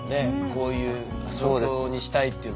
こういう状況にしたいっていうのは。